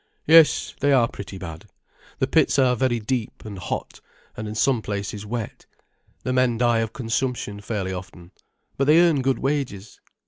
"Yes, they are pretty bad. The pits are very deep, and hot, and in some places wet. The men die of consumption fairly often. But they earn good wages."